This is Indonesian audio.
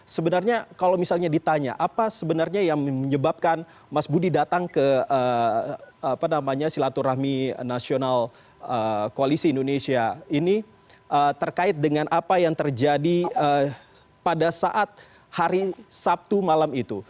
sebenarnya kalau misalnya ditanya apa sebenarnya yang menyebabkan mas budi datang ke silaturahmi nasional koalisi indonesia ini terkait dengan apa yang terjadi pada saat hari sabtu malam itu